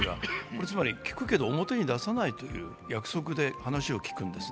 つまり、聞くけど表に出さないという約束で話を聞くんですね。